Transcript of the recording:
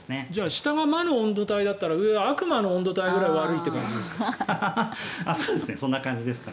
下が魔の温度帯だったら上は悪魔の温度帯ぐらい悪いってことですか？